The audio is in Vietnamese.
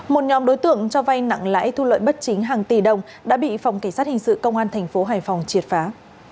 một nhóm đối tượng cho vay nặng lãi thu lợi bất chính hàng tỷ đồng đã bị phòng cảnh sát hình sự công an thành phố hải phòng triệt phá